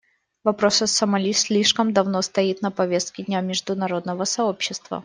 Вопрос о Сомали слишком давно стоит на повестке дня международного сообщества.